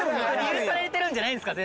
許されてるんじゃないんですか？